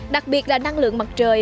đặc biệt là năng lượng mặt trời